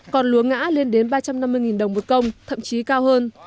còn lúa ngã lên đến ba trăm năm mươi đồng một công thậm chí cao hơn